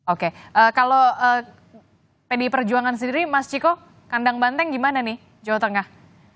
oke kalau pdi perjuangan sendiri mas ciko kandang banteng gimana nih jawa tengah